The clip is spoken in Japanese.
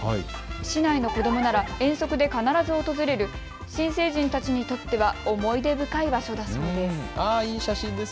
市内の子どもなら遠足で必ず訪れる新成人たちにとっては思い出深い場所だそうです。